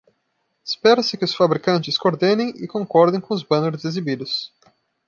Espera-se que os fabricantes coordenem e concordem com os banners exibidos.